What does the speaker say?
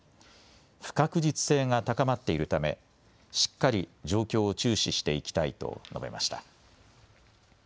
不確実性が高まっているためしっかり状況を注視していきたいと述べました。